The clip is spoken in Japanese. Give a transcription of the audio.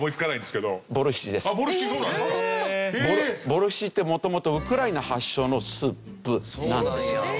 ボルシチって元々ウクライナ発祥のスープなんですよ。